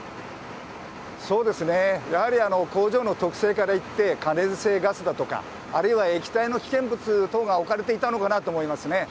そうですね、やはり工場の特性からいって、可燃性ガスだとか、あるいは液体の危険物等が置かれていたのかなと思いますね。